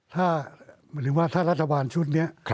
ถ้าหรือว่าถ้ารัฐวาลชุดเนี่ย